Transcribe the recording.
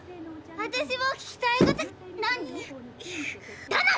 私も聞きたい事が。